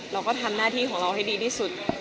เราก็ทำหน้าที่ของเราให้ดีที่สุด